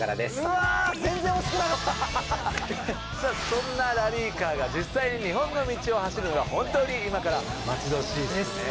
そんなラリーカーが実際に日本の道を走るのが本当に今から待ち遠しいですね。